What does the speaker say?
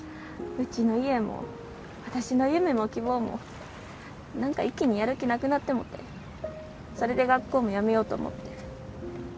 うちの家も私の夢も希望も何か一気にやる気なくなってもうてそれで学校もやめようと思って。